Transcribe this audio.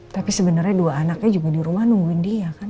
tapi sebenarnya dua anaknya juga di rumah nungguin dia kan